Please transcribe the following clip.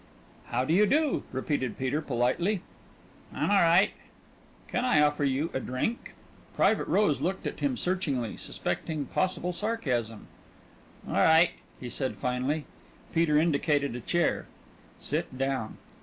"How do you do?" repeated Peter politely. "I'm o'right." "Can I offer you a drink?" Private Rose looked at him searchingly, suspecting possible sarcasm. "O'right," he said finally. Peter indicated a chair. "Sit down."